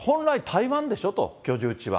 本来台湾でしょと、居住地は。